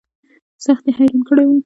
سخت يې حيران کړى وم.